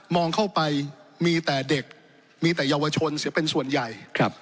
เข้าไปมีแต่เด็กมีแต่เยาวชนเสียเป็นส่วนใหญ่